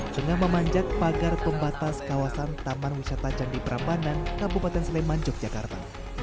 tengah memanjat pagar pembatas kawasan taman wisata candi prambanan kabupaten sleman yogyakarta